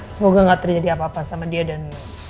semoga gak terjadi apa apa sama dia dan